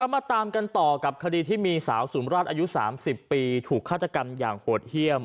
มาตามกันต่อกับคดีที่มีสาวสุมราชอายุ๓๐ปีถูกฆาตกรรมอย่างโหดเยี่ยม